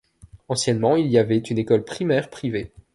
Anciennement il y avait une école primaire privée.